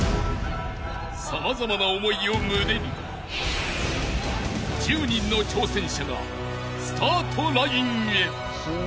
［様々な思いを胸に１０人の挑戦者がスタートラインへ］